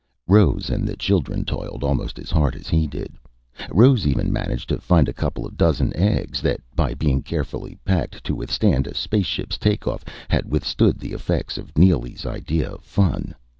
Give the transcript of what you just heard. Rose and the children toiled almost as hard as he did. Rose even managed to find a couple of dozen eggs, that by being carefully packed to withstand a spaceship's takeoff had withstood the effects of Neely's idea of fun.